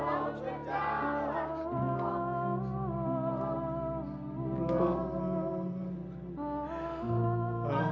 aku seorang kapiter